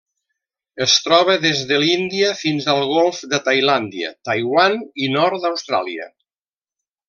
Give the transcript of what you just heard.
Es troba des de l'Índia fins al Golf de Tailàndia, Taiwan i nord d'Austràlia.